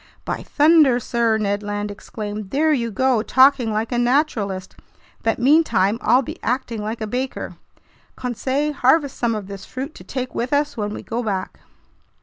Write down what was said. "By thunder, sir!" Ned Land exclaimed. "There you go, talking like a naturalist, but meantime I'll be acting like a baker! Conseil, harvest some of this fruit to take with us when we go back."